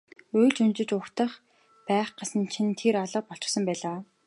Уйлж унжиж угтах байх гэсэн чинь тэр алга болчихсон байлаа.